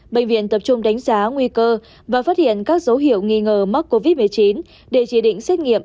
bệnh viện tập trung đánh giá nguy cơ và phát hiện các dấu hiệu nghi ngờ mắc covid một mươi chín để chỉ định xét nghiệm